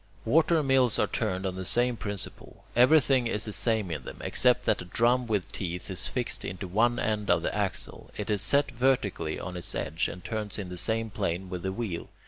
Water mills are turned on the same principle. Everything is the same in them, except that a drum with teeth is fixed into one end of the axle. It is set vertically on its edge, and turns in the same plane with the wheel.